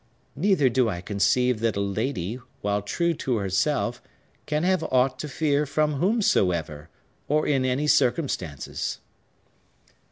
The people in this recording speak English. "Neither do I conceive that a lady, while true to herself, can have aught to fear from whomsoever, or in any circumstances!"